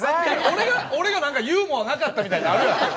俺が俺が何かユーモアなかったみたいになるやろ。